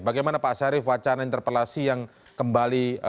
bagaimana pak syarif wacana interpelasi yang kembali